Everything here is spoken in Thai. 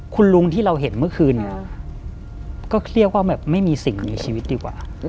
คุณลุงที่เราเห็นเมื่อคืนเนี่ยก็เครียดว่าแบบไม่มีสิ่งในชีวิตดีกว่า